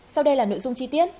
sau đây là nội dung chi tiết